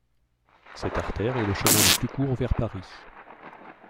Cette artère est le chemin le plus court vers Paris.